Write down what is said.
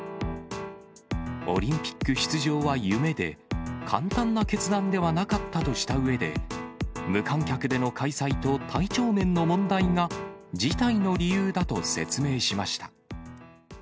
オリンピック出場が夢で、簡単な決断ではなかったとしたうえで、無観客での開催と体調面の問題が辞退の理由だと説明しました。